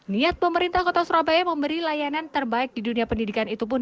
niat pemerintah kota surabaya memberi layanan terbaik di dunia pendidikan itu pun